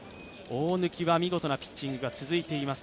大貫は見事なピッチングが続いています。